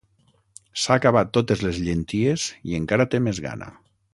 S'ha acabat totes les llenties i encara té més gana.